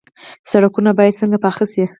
سړکونه باید څنګه پاخه شي؟